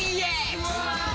うわ！